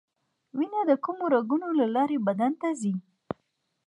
وینه د کومو رګونو له لارې بدن ته ځي